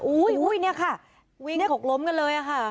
อุ้ยเนี่ยค่ะวิ่งหกล้มกันเลยค่ะ